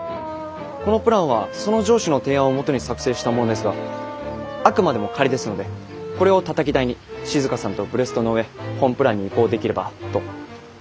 このプランはその上司の提案をもとに作成したものですがあくまでも仮ですのでこれをたたき台に静さんとブレストの上本プランに移行できればと。